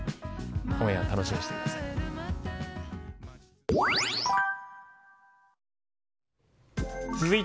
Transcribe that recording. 今夜は楽しみにしていてください。